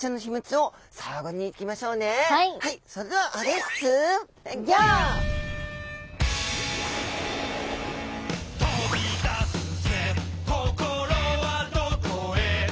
それでは「飛び出すぜ心はどこへ」